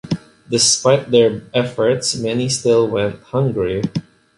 Despite their efforts many still went hungry.